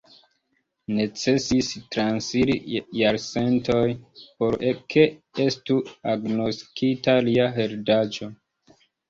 Necesis transiri jarcenton por ke estu agnoskita lia heredaĵo.